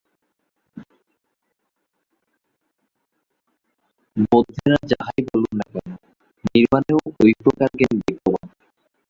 বৌদ্ধেরা যাহাই বলুন না কেন, নির্বাণেও ঐ-প্রকার জ্ঞান বিদ্যমান।